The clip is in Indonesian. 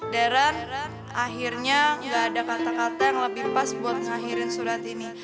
deren akhirnya gak ada kata kata yang lebih pas buat mengakhirin surat ini